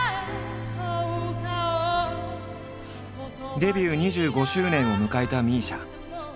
デビュー２５周年を迎えたＭＩＳＩＡ。